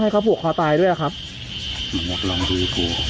เวลาคนพูดว่ามันอยู่ที่ไกร